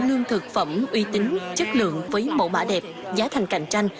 lương thực phẩm uy tín chất lượng với mẫu mã đẹp giá thành cạnh tranh